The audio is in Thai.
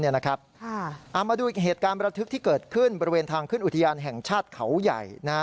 เอามาดูอีกเหตุการณ์ประทึกที่เกิดขึ้นบริเวณทางขึ้นอุทยานแห่งชาติเขาใหญ่